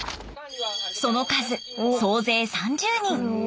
その数総勢３０人。